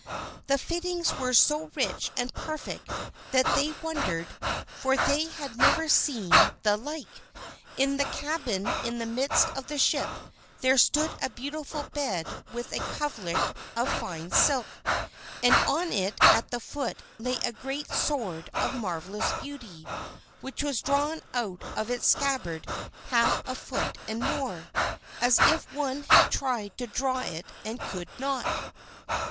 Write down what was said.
The fittings were so rich and perfect that they wondered, for they had never seen the like. In the cabin in the midst of the ship there stood a beautiful bed with a coverlet of fine silk, and on it at the foot lay a great sword of marvelous beauty, which was drawn out of its scabbard half a foot and more, as if one had tried to draw it and could not.